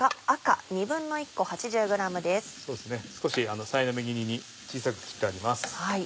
少しさいの目切りに小さく切ってあります。